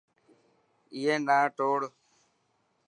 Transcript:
ائي نا توڙ.